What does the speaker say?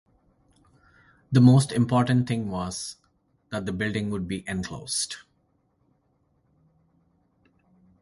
The most important thing was, that the building would be enclosed.